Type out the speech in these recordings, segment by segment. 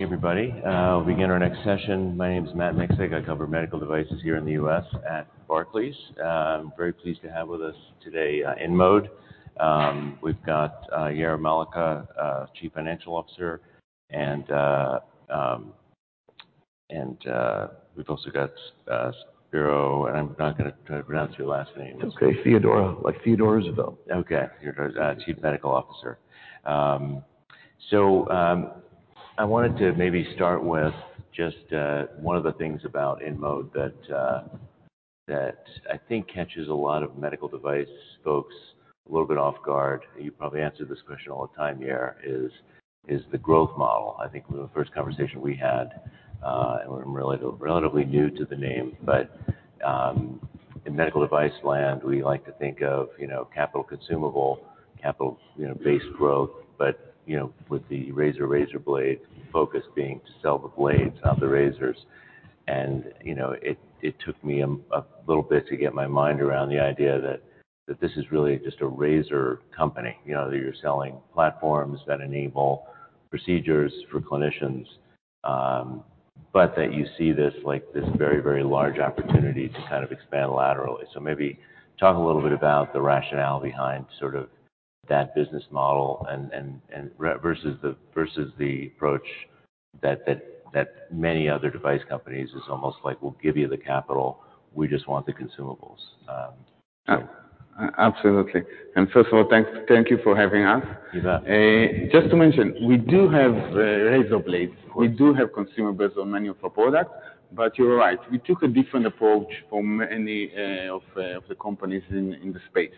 Everybody, we'll begin our next session. My name is Matt Miksic. I cover medical devices here in the US at Barclays. Very pleased to have with us today InMode. We've got Yair Malca, Chief Financial Officer, and we've also got Spero. I'm not gonna try to pronounce your last name. Just say Theodora, like Theodora Isabel. Spero Theodorou, Chief Medical Officer. I wanted to maybe start with just one of the things about InMode that I think catches a lot of medical device folks a little bit off guard. You probably answer this question all the time, Yair, is the growth model. I think one of the first conversation we had, and we're really relatively new to the name, in medical device land, we like to think of capital consumable, capital based growth. With the razor blade focus being to sell the blades, not the razors. It took me a little bit to get my mind around the idea that this is really just a razor company. You know, that you're selling platforms that enable procedures for clinicians, but that you see this like, this very, very large opportunity to kind of expand laterally. Maybe talk a little bit about the rationale behind sort of that business model and versus the approach that many other device companies is almost like, "We'll give you the capital. We just want the consumables." Yeah. Absolutely. First of all, thank you for having us. You bet. Just to mention, we do have razor blades. Of course. We do have consumables on many of our products. You're right, we took a different approach from any of the companies in the space.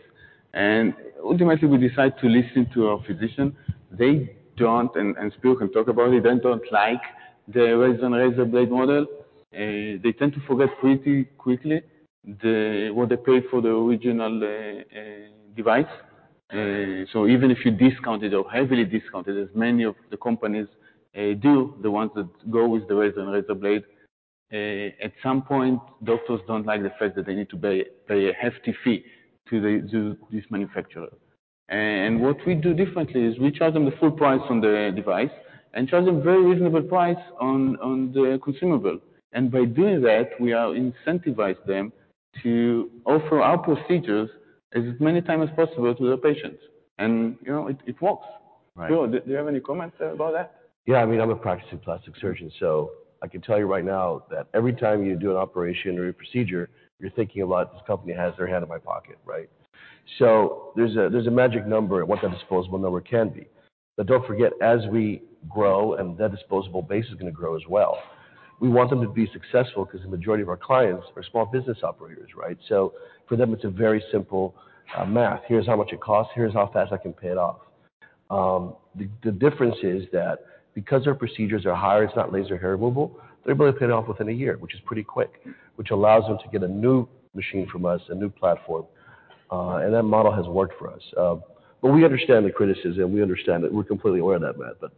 Ultimately, we decided to listen to our physicians. They don't, and Spero can talk about it, they don't like the razor and razor blade model. They tend to forget pretty quickly the what they paid for the original device. So even if you discount it or heavily discount it, as many of the companies do, the ones that go with the razor and razor blade, at some point, doctors don't like the fact that they need to pay a hefty fee to this manufacturer. What we do differently is we charge them the full price on the device and charge them a very reasonable price on the consumable. By doing that, we are incentivize them to offer our procedures as many times as possible to their patients. You know, it works. Right. Spero, do you have any comments about that? Yeah. I mean, I'm a practicing plastic surgeon, so I can tell you right now that every time you do an operation or a procedure, you're thinking about this company has their hand in my pocket, right? There's a magic number at what that disposable number can be. Don't forget, as we grow and that disposable base is gonna grow as well, we want them to be successful because the majority of our clients are small business operators, right? For them, it's a very simple math. Here's how much it costs, here's how fast I can pay it off. The difference is that because our procedures are higher, it's not laser hair removal, they both pay it off within a year, which is pretty quick, which allows them to get a new machine from us, a new platform, and that model has worked for us. We understand the criticism. We understand it. We're completely aware of that, Matt, but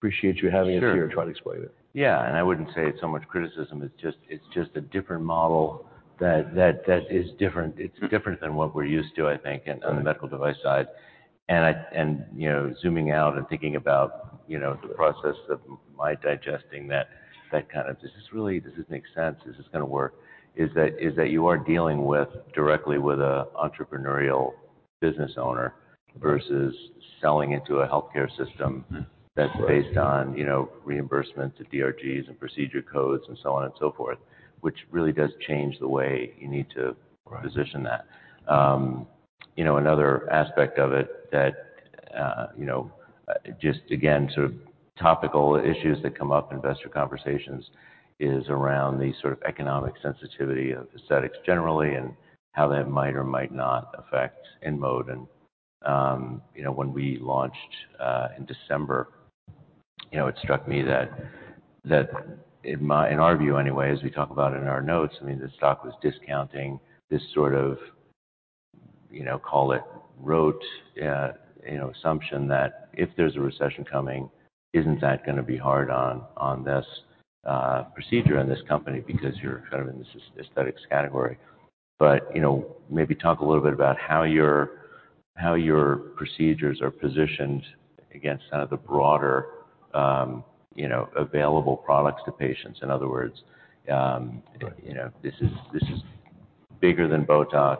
appreciate you having us here. Sure. To try to explain it. Yeah. I wouldn't say it's so much criticism, it's just a different model that is different. It's different than what we're used to, I think. Sure. on the medical device side. You know, zooming out and thinking about, you know, the process of my digesting that kind of, does this really, does this make sense, is this gonna work, is that you are dealing with, directly with a entrepreneurial business owner versus selling into a healthcare system that's based on, you know, reimbursement to DRGs and procedure codes and so on and so forth, which really does change the way you need to position that. Right. You know, another aspect of it that, you know, just again, sort of topical issues that come up in investor conversations is around the sort of economic sensitivity of aesthetics generally and how that might or might not affect InMode. You know, when we launched, in December, you know, it struck me that, in our view anyway, as we talk about it in our notes, I mean, the stock was discounting this sort of, you know, call it rote, you know, assumption that if there's a recession coming, isn't that gonna be hard on this procedure and this company because you're kind of in this aesthetics category. You know, maybe talk a little bit about how your procedures are positioned against some of the broader, you know, available products to patients. In other words. Right. you know, this is bigger than Botox,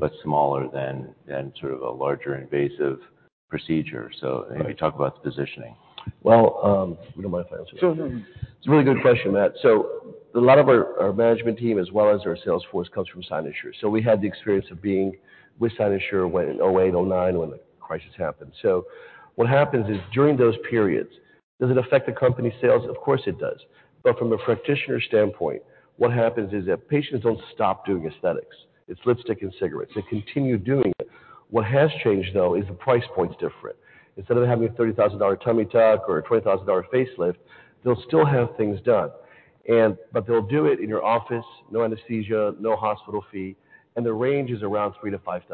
but smaller than sort of a larger invasive procedure. Maybe talk about the positioning. Well, you don't mind if I answer that? Sure. It's a really good question, Matt. A lot of our management team as well as our sales force comes from Cynosure. We had the experience of being with Cynosure when in 2008, 2009 when the crisis happened. What happens is, during those periods, does it affect the company's sales? Of course, it does. From a practitioner standpoint, what happens is that patients don't stop doing aesthetics. It's lipstick and cigarettes. They continue doing it. What has changed, though, is the price point's different. Instead of having a $30,000 tummy tuck or a $20,000 facelift, they'll still have things done, but they'll do it in your office, no anesthesia, no hospital fee, and the range is around $3,000-$5,000.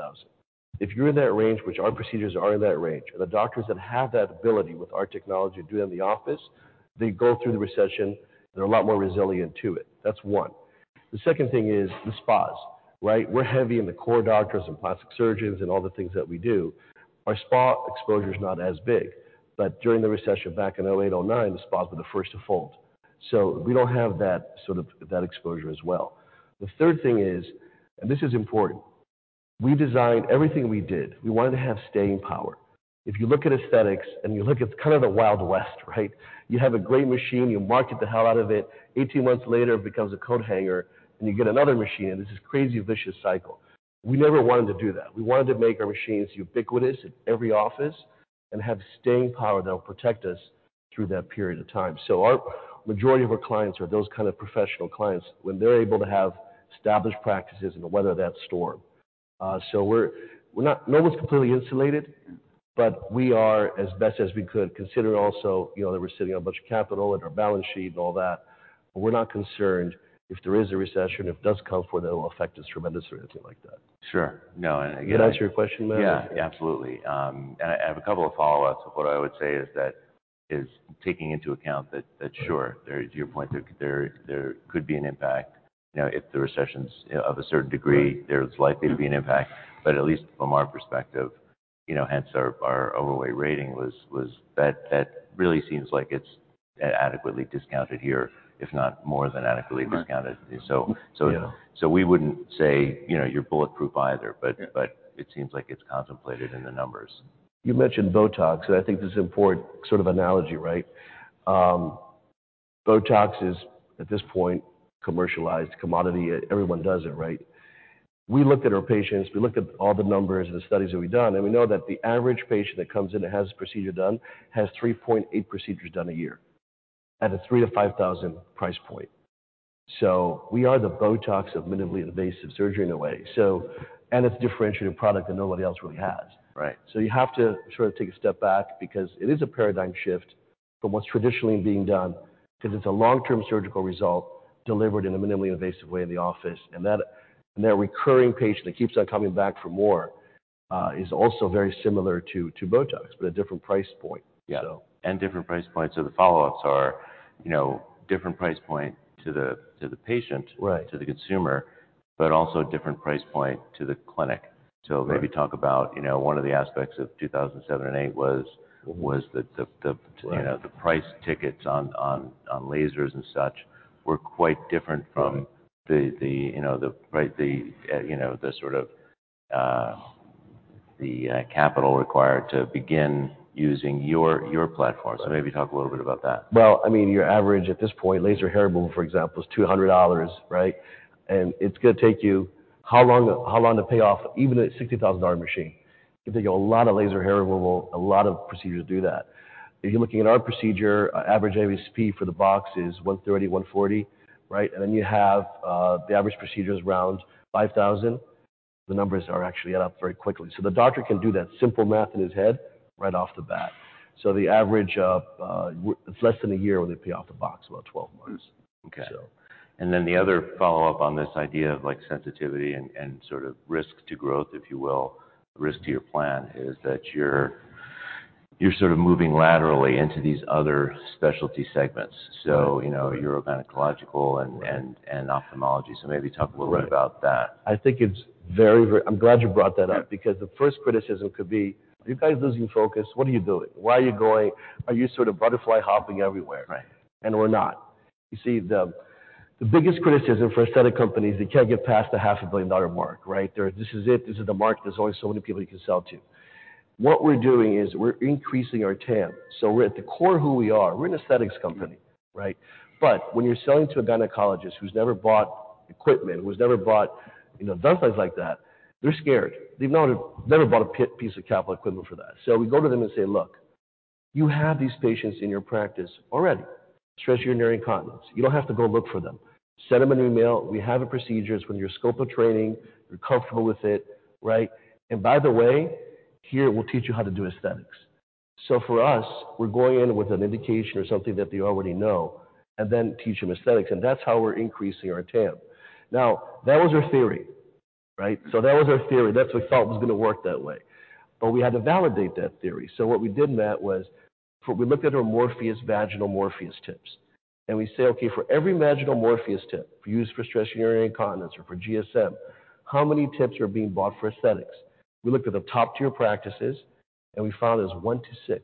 If you're in that range, which our procedures are in that range, and the doctors that have that ability with our technology to do it in the office, they go through the recession, they're a lot more resilient to it. That's one. The second thing is the spas, right? We're heavy in the core doctors and plastic surgeons and all the things that we do. Our spa exposure is not as big. During the recession back in 2008, 2009, the spas were the first to fold. We don't have that sort of that exposure as well. The third thing is, and this is important, we designed everything we did. We wanted to have staying power. If you look at aesthetics and you look at kind of the Wild West, right? You have a great machine, you market the hell out of it. 18 months later, it becomes a coat hanger, and you get another machine, and it's this crazy vicious cycle. We never wanted to do that. We wanted to make our machines ubiquitous in every office and have staying power that will protect us through that period of time. Our majority of our clients are those kind of professional clients when they're able to have established practices and weather that storm. we're not no one's completely insulated, but we are as best as we could consider also, you know, that we're sitting on a bunch of capital in our balance sheet and all that. We're not concerned if there is a recession, if it does come forth, it will affect us tremendously or anything like that. Sure. No. Again... Did that answer your question, Matt? Yeah, absolutely. I have a couple of follow-ups. What I would say is that is taking into account that sure, to your point, there could be an impact, you know, if the recession's of a certain degree. Right... there's likely to be an impact. At least from our perspective, you know, hence our overweight rating was that really seems like it's adequately discounted here, if not more than adequately discounted. Right. So, so- Yeah. We wouldn't say, you know, you're bulletproof either. Yeah. It seems like it's contemplated in the numbers. You mentioned Botox, and I think this is an important sort of analogy, right? Botox is at this point commercialized commodity. Everyone does it, right? We looked at our patients, we looked at all the numbers and the studies that we've done, and we know that the average patient that comes in and has a procedure done has 3.8 procedures done a year at a $3,000-$5,000 price point. We are the Botox of minimally invasive surgery in a way. It's a differentiated product that nobody else really has. Right. You have to sort of take a step back because it is a paradigm shift from what's traditionally being done, 'cause it's a long-term surgical result delivered in a minimally invasive way in the office. That recurring patient that keeps on coming back for more is also very similar to Botox, but a different price point. Yeah. So. Different price points. The follow-ups are, you know, different price point to the, to the patient- Right. To the consumer, but also a different price point to the clinic. Right. maybe talk about, you know, one of the aspects of 2007 and 2008 was that. Right You know, the price tickets on lasers and such were quite different. Right The, you know, the, right, the, you know, the sort of, the capital required to begin using your platform. Right. Maybe talk a little bit about that. Well, I mean, your average at this point, laser hair removal, for example, is $200, right? It's gonna take you how long, how long to pay off even a $60,000 machine? It's gonna take a lot of laser hair removal, a lot of procedures to do that. If you're looking at our procedure, average ASP for the box is $130-$140, right? You have the average procedure is around $5,000. The numbers are actually add up very quickly. The doctor can do that simple math in his head right off the bat. The average of it's less than a year when they pay off the box, about 12 months. Mm-hmm. Okay. So. The other follow-up on this idea of like, sensitivity and sort of risk to growth, if you will, risk to your plan, is that you're sort of moving laterally into these other specialty segments. Right. You know, urogynecological and ophthalmology. maybe talk a little bit about that. Right. I think it's very... I'm glad you brought that up because the first criticism could be, are you guys losing focus? What are you doing? Why are you going? Are you sort of butterfly hopping everywhere? Right. We're not. You see, the biggest criticism for aesthetic companies, they can't get past the half a billion dollar mark, right? They're, this is it, this is the mark. There's only so many people you can sell to. What we're doing is we're increasing our TAM. We're at the core of who we are. We're an aesthetics company, right? When you're selling to a gynecologist who's never bought equipment, who's never bought, you know, devices like that, they're scared. They've never bought a piece of capital equipment for that. We go to them and say, "Look, you have these patients in your practice already. Stress urinary incontinence. You don't have to go look for them. Send them an email. We have the procedures. It's within your scope of training. You're comfortable with it, right? By the way, here, we'll teach you how to do aesthetics." For us, we're going in with an indication or something that they already know and then teach them aesthetics, and that's how we're increasing our TAM. That was our theory, right? That was our theory. That's what we thought was gonna work that way. We had to validate that theory. What we did, Matt, was we looked at our Morpheus8, vaginal Morpheus8 tips, and we say, okay, for every vaginal Morpheus8 tip used for stress urinary incontinence or for GSM, how many tips are being bought for aesthetics? We looked at the top tier practices, and we found it's one to six.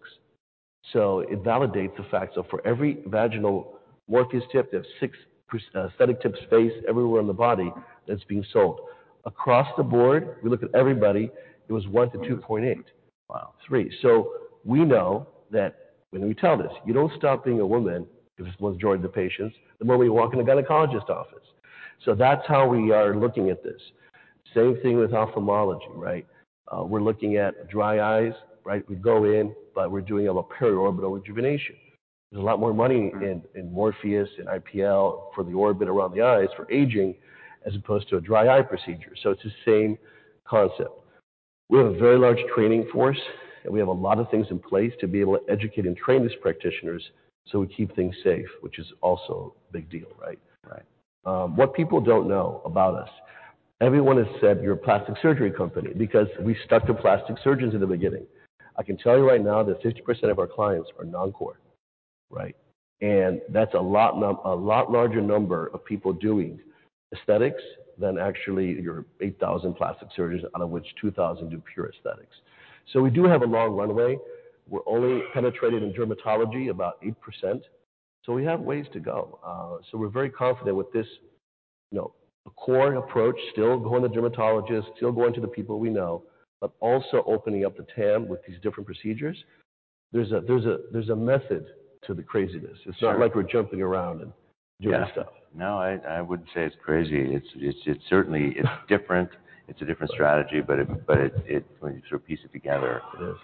It validates the fact. For every vaginal Morpheus8 tip, there's six aesthetic tips faced everywhere in the body that's being sold. Across the board, we looked at everybody, it was one to 2.8. Wow. Three. We know that when we tell this, you don't stop being a woman, 'cause it's the majority of the patients, the moment you walk in a gynecologist office. That's how we are looking at this. Same thing with ophthalmology, right? We're looking at dry eyes, right? We go in, but we're doing a periorbital rejuvenation. There's a lot more money in Morpheus8 and IPL for the orbit around the eyes for aging as opposed to a dry eye procedure. It's the same concept. We have a very large training force, and we have a lot of things in place to be able to educate and train these practitioners so we keep things safe, which is also a big deal, right? Right. What people don't know about us, everyone has said, "You're a plastic surgery company," because we stuck to plastic surgeons in the beginning. I can tell you right now that 50% of our clients are non-core, right? That's a lot larger number of people doing aesthetics than actually your 8,000 plastic surgeons, out of which 2,000 do pure aesthetics. We do have a long runway. We're only penetrated in dermatology about 8%, so we have ways to go. We're very confident with this, you know, the core approach, still going to dermatologists, still going to the people we know, but also opening up the TAM with these different procedures. There's a method to the craziness. Sure. It's not like we're jumping around and doing stuff. Yeah. No, I wouldn't say it's crazy. It's certainly different. It's a different strategy, but it's, when you sort of piece it together, it is,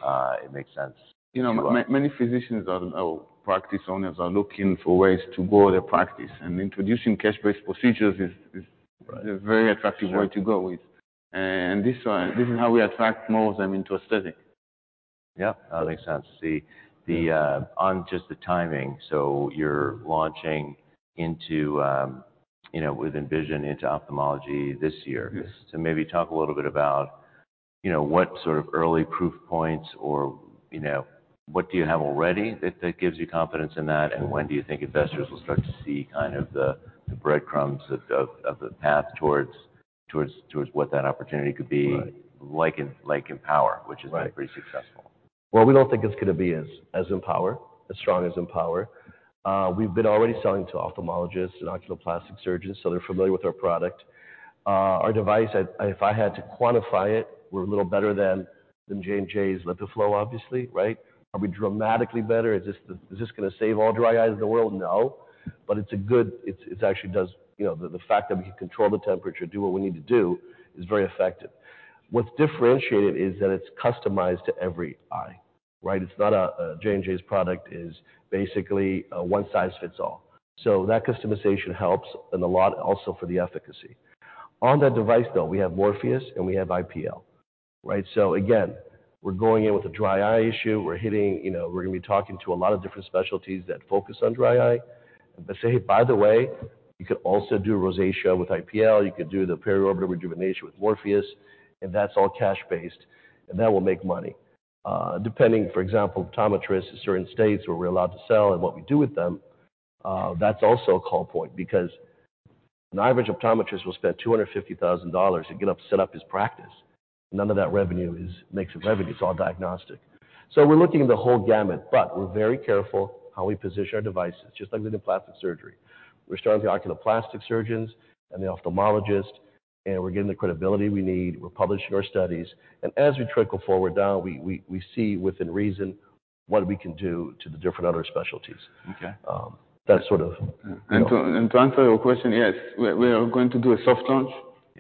it makes sense. You know, many physicians or practice owners are looking for ways to grow their practice, and introducing cash-based procedures is a very attractive way to go with. This, this is how we attract more of them into aesthetic. Yeah. That makes sense. The on just the timing, you're launching into, you know, with Envision into ophthalmology this year. Yes. Maybe talk a little bit about, you know, what sort of early proof points or, you know, what do you have already that gives you confidence in that? Sure. When do you think investors will start to see kind of the breadcrumbs of the path towards what that opportunity could be. Right. Like EmpowerRF, which has been pretty successful. Right. We don't think it's gonna be as EmpowerRF, as strong as EmpowerRF. We've been already selling to ophthalmologists and oculoplastic surgeons, so they're familiar with our product. Our device, if I had to quantify it, we're a little better than J&J's LipiFlow, obviously, right? Are we dramatically better? Is this gonna save all dry eyes in the world? No. It's a good. It actually does. You know, the fact that we can control the temperature, do what we need to do, is very effective. What's differentiated is that it's customized to every eye, right? It's not J&J's product is basically a one-size-fits-all. That customization helps and a lot also for the efficacy. On that device, though, we have Morpheus8 and we have IPL, right? Again, we're going in with a dry eye issue. We're hitting, you know, we're gonna be talking to a lot of different specialties that focus on dry eye. Say, "By the way, you could also do rosacea with IPL. You could do the periorbital rejuvenation with Morpheus8, and that's all cash-based, and that will make money." Depending, for example, optometrists in certain states where we're allowed to sell and what we do with them, that's also a call point. Because an average optometrist will spend $250,000 to get up, set up his practice. None of that revenue makes revenue. It's all diagnostic. We're looking at the whole gamut, but we're very careful how we position our devices, just like we did plastic surgery. We're starting with the oculoplastic surgeons and the ophthalmologist, and we're getting the credibility we need. We're publishing our studies. As we trickle forward down, we see within reason what we can do to the different other specialties. Okay. That's sort of, you know. To answer your question, yes. We are going to do a soft launch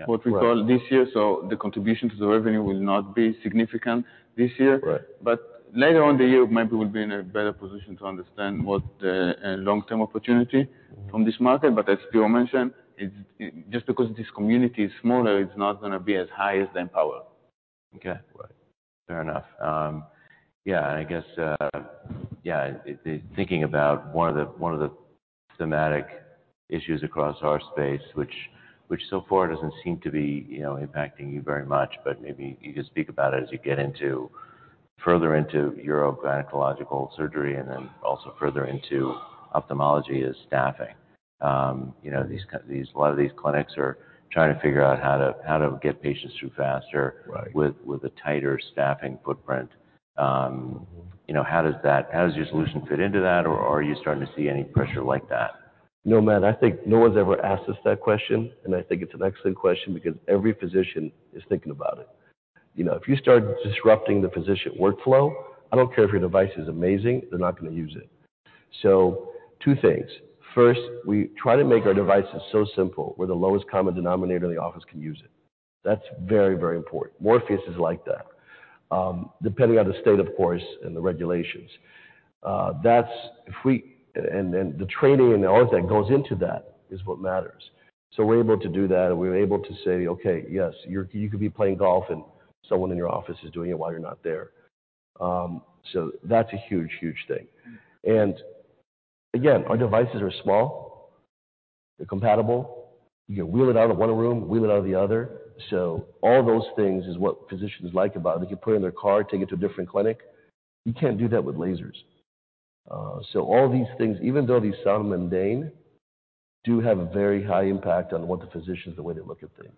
what we call this year. The contribution to the revenue will not be significant this year. Right. Later on in the year, maybe we'll be in a better position to understand what the long-term opportunity from this market. As Spero mentioned, just because this community is smaller, it's not gonna be as high as EmpowerRF. Okay. Right. Fair enough. Yeah. I guess, yeah, thinking about one of the, one of the thematic issues across our space which so far doesn't seem to be, you know, impacting you very much, but maybe you could speak about it as you get into, further into urogynecological surgery and then also further into ophthalmology, is staffing. You know, these, a lot of these clinics are trying to figure out how to, how to get patients through faster- Right... with a tighter staffing footprint. You know, how does your solution fit into that or are you starting to see any pressure like that? No, Matt, I think no one's ever asked us that question, and I think it's an excellent question because every physician is thinking about it. You know, if you start disrupting the physician workflow, I don't care if your device is amazing, they're not gonna use it. Two things. First, we try to make our devices so simple, where the lowest common denominator in the office can use it. That's very, very important. Morpheus8 is like that. Depending on the state, of course, and the regulations. The training and all of that goes into that is what matters. We're able to do that and we're able to say, "Okay, yes. You could be playing golf and someone in your office is doing it while you're not there." That's a huge, huge thing. Again, our devices are small, they're compatible. You can wheel it out of one room, wheel it out of the other. All those things is what physicians like about it. They can put it in their car, take it to a different clinic. You can't do that with lasers. All these things, even though they sound mundane, do have a very high impact on what the physicians, the way they look at things.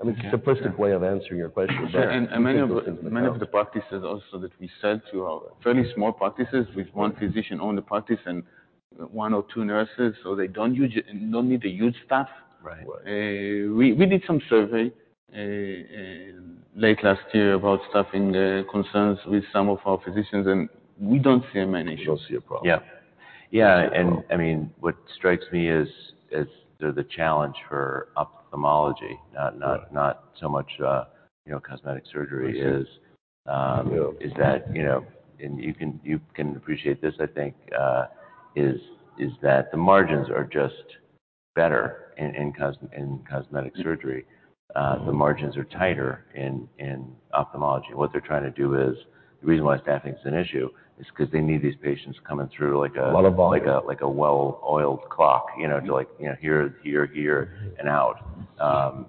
I mean, it's a simplistic way of answering your question, but I think those things matter. Sure. Many of the practices also that we sell to are fairly small practices with one physician own the practice and one or two nurses, so they don't need a huge staff. We did some survey late last year about staffing concerns with some of our physicians, and we don't see many issues. We don't see a problem. I mean, what strikes me is the challenge for ophthalmology, not Right, not so much, you know, cosmetic surgery is. For sure. Yeah. Is that, you know, and you can, you can appreciate this, I think, is that the margins are just better in cosmetic surgery. Mm-hmm. The margins are tighter in ophthalmology. What they're trying to do is. The reason why staffing is an issue is 'cause they need these patients coming through like a lot of volume, like a well-oiled clock. You know, to like, you know, here and out.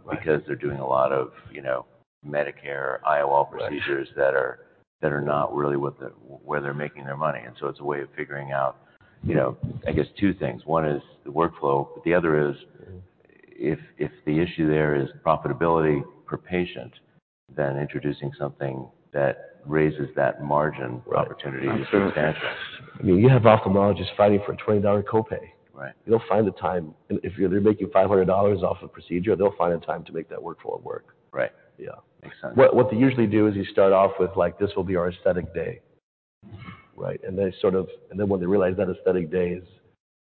Because they're doing a lot of, you know, Medicare IOL procedures that are not really where they're making their money. It's a way of figuring out, you know, I guess two things. One is the workflow, but the other is if the issue there is profitability per patient, then introducing something that raises that margin opportunity substantially. I mean, you have ophthalmologists fighting for a $20 copay. Right. They'll find the time. If they're making $500 off a procedure, they'll find the time to make that workflow work. Right. Yeah. Makes sense. What they usually do is you start off with like, "This will be our aesthetic day." Right? They sort of. When they realize that aesthetic day is,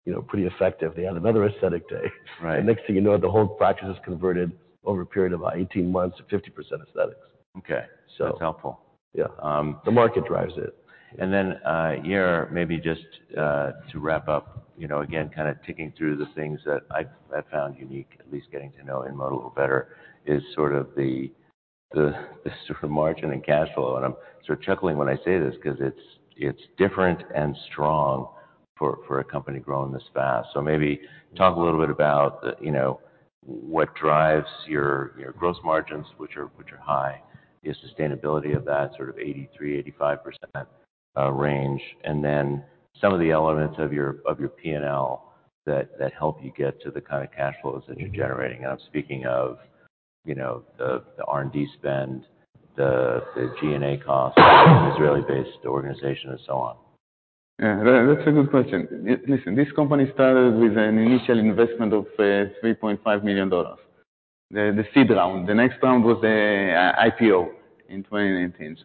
you know, pretty effective, they add another aesthetic day. Right. The next thing you know, the whole practice is converted over a period of 18 months to 50% aesthetics. Okay. So- That's helpful. Yeah. The market drives it. Yair, maybe just to wrap up, you know, again, kinda ticking through the things that I've, I found unique, at least getting to know InMode a little better, is sort of the sort of margin and cash flow. I'm sort of chuckling when I say this 'cause it's different and strong for a company growing this fast. Maybe talk a little bit about the, you know, what drives your gross margins, which are high. The sustainability of that sort of 83%-85% range, and then some of the elements of your P&L that help you get to the kind of cash flows that you're generating. I'm speaking of, you know, the R&D spend, the G&A costs being an Israeli-based organization and so on. Yeah, that's a good question. Listen, this company started with an initial investment of $3.5 million. The seed round. The next round was a IPO in 2019.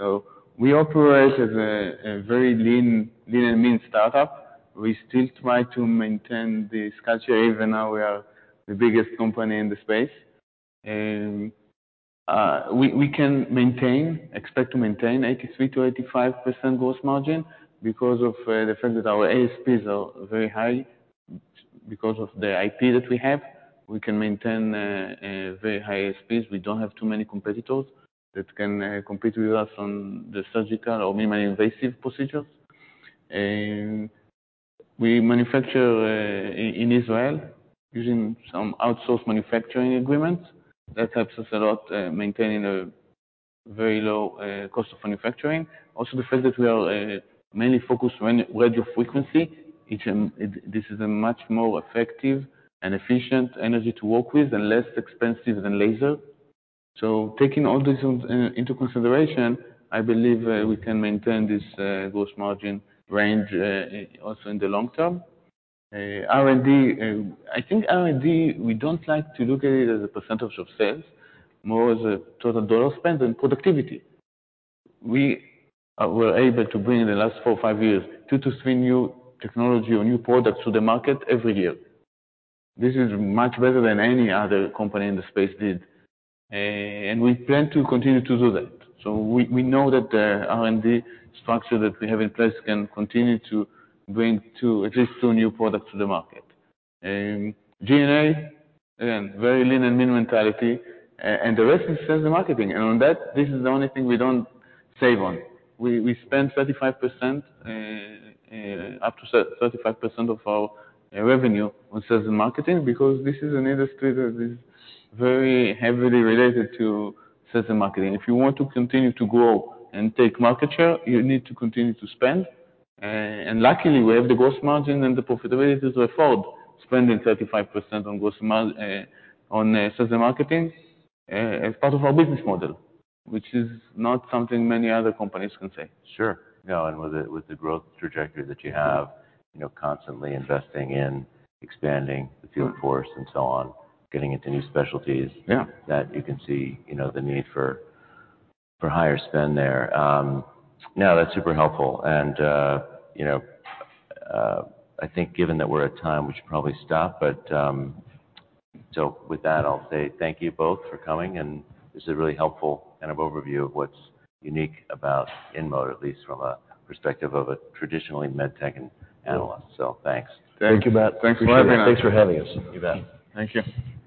We operate as a very lean and mean startup. We still try to maintain this culture even now we are the biggest company in the space. We can maintain, expect to maintain 83%-85% gross margin because of the fact that our ASPs are very high. Because of the IP that we have, we can maintain very high ASPs. We don't have too many competitors that can compete with us on the surgical or minimally invasive procedures. We manufacture in Israel using some outsourced manufacturing agreements. That helps us a lot, maintaining a very low cost of manufacturing. Also, the fact that we are mainly focused on radiofrequency, this is a much more effective and efficient energy to work with and less expensive than laser. Taking all this into consideration, I believe we can maintain this gross margin range also in the long term. R&D, I think R&D, we don't like to look at it as a % of sales, more as a total dollars spend and productivity. We were able to bring in the last four or five years, two to three new technology or new products to the market every year. This is much better than any other company in the space did. We plan to continue to do that. We know that the R&D structure that we have in place can continue to bring two, at least two new products to the market. G&A, again, very lean and mean mentality, and the rest is sales and marketing. On that, this is the only thing we don't save on. We spend 35%, up to 35% of our revenue on sales and marketing because this is an industry that is very heavily related to sales and marketing. If you want to continue to grow and take market share, you need to continue to spend. Luckily, we have the gross margin and the profitability to afford spending 35% on sales and marketing as part of our business model, which is not something many other companies can say. Sure. No, with the growth trajectory that you have, you know, constantly investing in expanding the field force and so on, getting into new specialties... Yeah. That you can see, you know, the need for higher spend there. No, that's super helpful. You know, I think given that we're at time, we should probably stop. With that, I'll say thank you both for coming, and this is a really helpful kind of overview of what's unique about InMode, at least from a perspective of a traditionally MedTech analyst. Thanks. Thank you. Thank you, Matt. Thanks for having us. Appreciate it. Thanks for having us. You bet. Thank you. See you. Thanks a lot.